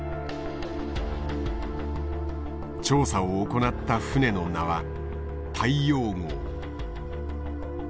調査を行った船の名は大洋号。